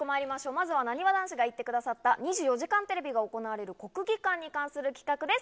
まずはなにわ男子が行ってくださった２４時間テレビが行われる、国技館に関する企画です。